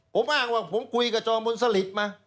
ผมอ้างว่าผมคุยกับจอมบุญสลิดมา